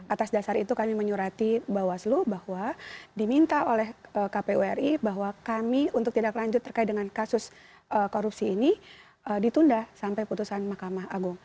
atas dasar itu kami menyurati bahwa diminta oleh kp uri bahwa kami untuk tindaklanjut terkait dengan kasus korupsi ini ditunda sampai putusan mahkamah agung